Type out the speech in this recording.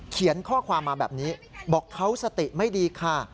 เขียนข้อความมาแบบนี้บอกเขาสติไม่ดีค่ะ